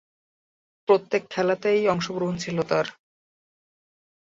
প্রত্যেক খেলাতেই অংশগ্রহণ ছিল তার।